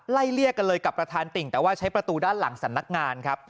เลี่ยกันเลยกับประธานติ่งแต่ว่าใช้ประตูด้านหลังสำนักงานครับ